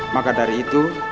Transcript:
maka dari itu